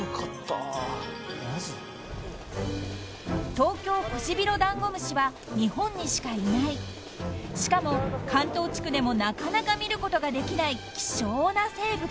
［トウキョウコシビロダンゴムシは日本にしかいないしかも関東地区でもなかなか見ることができない希少な生物］